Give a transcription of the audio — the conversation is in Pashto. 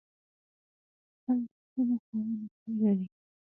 غول د سپینو خوړو نرمي لري.